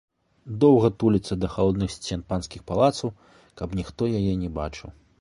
Доўга туліцца да халодных сцен панскіх палацаў, каб ніхто яе не бачыў.